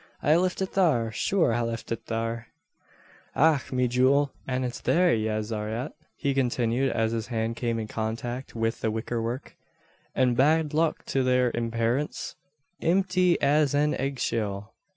I lift it thare shure I lift it thare." "Ach, me jewel! an it's thare yez are yet," he continued, as his hand came in contact with the wickerwork; "an' bad luck to their imperence impty as an eggshill!